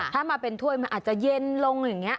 ถ้ามาเป็นถ้วยมันอาจจะเย็นลงอย่างนี้